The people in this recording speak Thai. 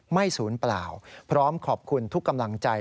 ศูนย์เปล่าพร้อมขอบคุณทุกกำลังใจ